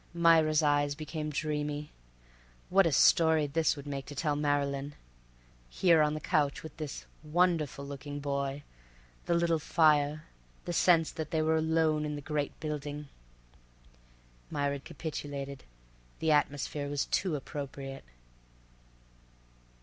Myra's eyes became dreamy. What a story this would make to tell Marylyn! Here on the couch with this wonderful looking boy—the little fire—the sense that they were alone in the great building— Myra capitulated. The atmosphere was too appropriate.